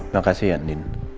makasih ya andin